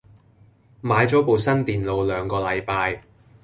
買咗部新電腦兩個禮拜